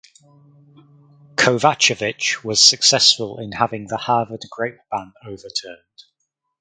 Kovacevich was successful in having the Harvard grape ban overturned.